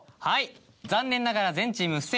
はい残念ながら。